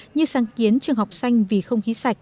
như sáng kiến trường học xanh vì không khí sạch